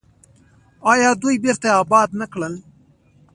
آیا دوی بیرته اباد نه کړل؟